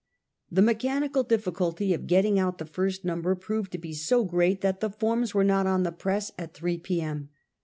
The mechanical difficulty of getting out the first number proved to be so great that the forms were not on the press at 3 p. m.